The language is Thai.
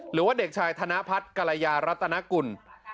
หรือว่าเด็กชายธนพัฒน์กรยารัตนกุล